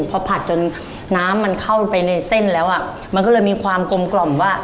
พอผัดจนน้ำมันเข้าไปในเส้นแล้วอ่ะมันก็เลยมีความกลมกล่อมว่า